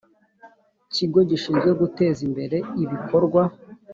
kigo gishinzwe guteza imbere ibikorwa